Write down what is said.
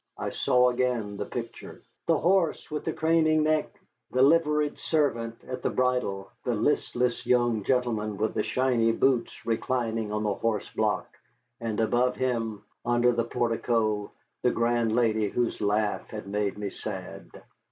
I saw again the picture. The horse with the craning neck, the liveried servant at the bridle, the listless young gentleman with the shiny boots reclining on the horse block, and above him, under the portico, the grand lady whose laugh had made me sad.